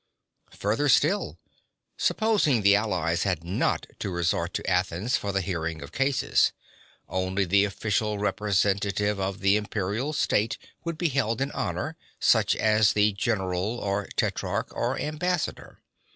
Further still, supposing the allies had not to resort to Athens for the hearing of cases, only the official representative of the imperial state would be held in honour, such as the general, or trierarch, or ambassador.